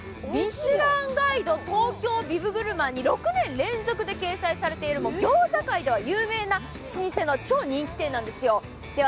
なんと、こちらミシュランガイド東京ビブグルマンに６年連続で掲載されている餃子界では有名な超老舗店なんですよ。